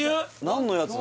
何のやつ？